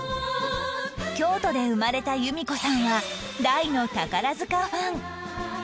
京都で生まれた由見子さんは大の宝塚ファン